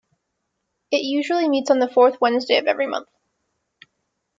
It usually meets on the fourth Wednesday of every month.